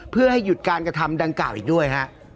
เพื่อให้หยุดการกระทำดังกล่าวอีกด้วยฮะ